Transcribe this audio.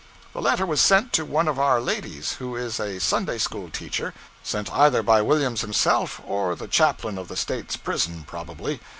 The letter was sent to one of our ladies, who is a Sunday school teacher, sent either by Williams himself, or the chaplain of the State's prison, probably.